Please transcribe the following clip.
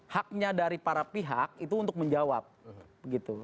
haknya dari para pihak itu untuk menjawab gitu